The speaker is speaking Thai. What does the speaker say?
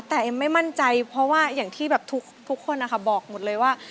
แต่เอ็มไม่มั่นใจเพราะว่าอย่างที่แบบทุกคนนะคะบอกหมดเลยว่า